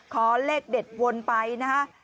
ขอเลขเด็ดวนไปนะฮะ